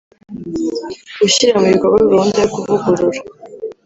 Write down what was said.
gushyira mu bikorwa gahunda yo kuvugurura